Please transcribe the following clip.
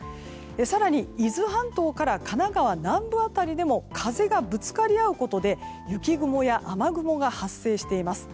更に、伊豆半島から神奈川南部辺りでも風がぶつかり合うことで雪雲や雨雲が発生しています。